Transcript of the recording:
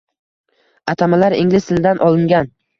atamalar ingliz tilidan olingan